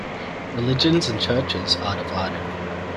Religions and churches are divided.